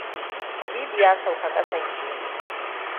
Habibu ya sauka kasan bene.